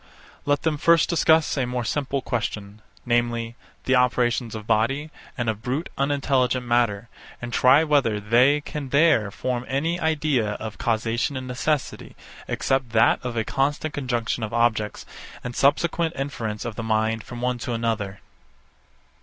Let them first discuss a more simple question, namely, the operations of body and of brute unintelligent matter; and try whether they can there form any idea of causation and necessity, except that of a constant conjunction of objects, and subsequent inference of the mind from one to another.